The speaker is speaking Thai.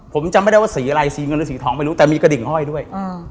ผมจำไม่ได้ว่าสีอะไรสีเงินหรือสีทองไม่รู้แต่มีกระดิ่งห้อยด้วย